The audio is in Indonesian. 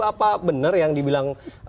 apa benar yang dibilang